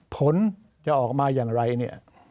ผลจะออกมาอย่างไร